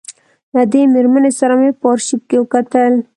له دې مېرمنې سره مې په آرشیف کې وکتل.